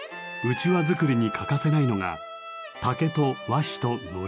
うちわ作りに欠かせないのが竹と和紙とのり。